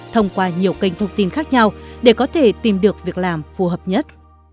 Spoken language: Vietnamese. thông qua nhiều kênh thông tin khác nhau để có thể tìm được việc làm phù hợp nhất